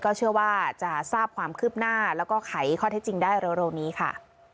เชื่อว่าจะทราบความคืบหน้าแล้วก็ไขข้อเท็จจริงได้เร็วนี้ค่ะ